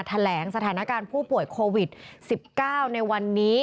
แถลงสถานการณ์ผู้ป่วยโควิด๑๙ในวันนี้